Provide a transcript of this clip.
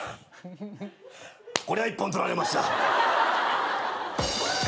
こりゃ一本取られました。